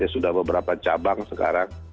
sudah beberapa cabang sekarang